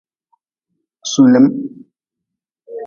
Sulim.